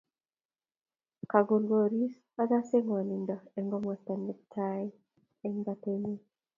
Kagul koristo agase ngwanindo eng komosta netai eng batenyu